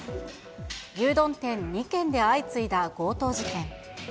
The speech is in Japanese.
牛丼店２軒で相次いだ強盗事件。